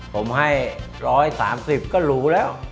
ผมให้๑๓๐ก็หรูแล้ว